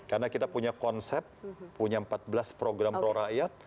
karena kita punya konsep punya empat belas program pro rakyat